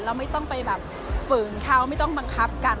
เราไม่ต้องไปแบบฝืนเขาไม่ต้องบังคับกัน